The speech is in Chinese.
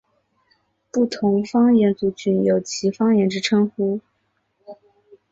不同方言族群有其方言之称呼。